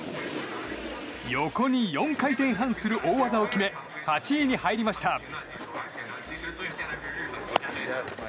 横に４回転半する大技を決め８位に入りました。